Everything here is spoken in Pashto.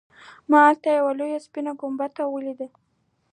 ما هلته یوه لویه سپینه ګنبده ولیده.